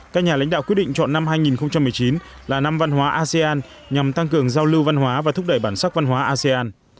các nhà lãnh đạo quyết định chọn năm hai nghìn một mươi chín là năm văn hóa asean nhằm tăng cường giao lưu văn hóa và thúc đẩy bản sắc văn hóa asean